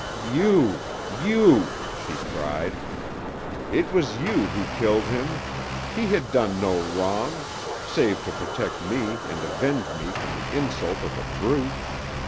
"You you " she cried. "It was you who killed him! He had done no wrong save to protect me and avenge me from the insult of a brute!